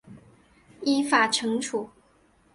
依法惩处